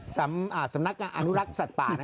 สำนักการอาณุรัคสัตว์ป่า